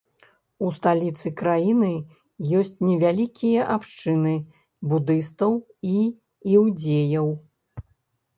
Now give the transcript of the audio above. У сталіцы краіны ёсць невялікія абшчыны будыстаў і іўдзеяў.